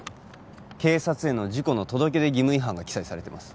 警察への事故の届出義務違反が記載されてます